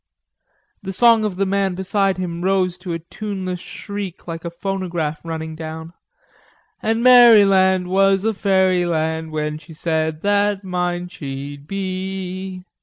The song of the man beside him rose to a tuneless shriek, like a phonograph running down: "An' Mary land was fairy land When she said that mine she'd be..."